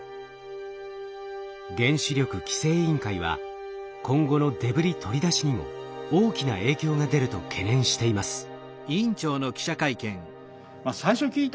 原子力規制委員会は今後のデブリ取り出しにも大きな影響が出ると懸念しています。